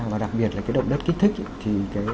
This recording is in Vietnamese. và đặc biệt là cái động đất kích thích